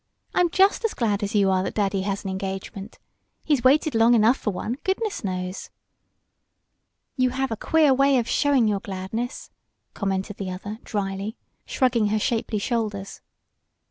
I'm just as glad as you are that daddy has an engagement. He's waited long enough for one, goodness knows!" "You have a queer way of showing your gladness," commented the other drily, shrugging her shapely shoulders.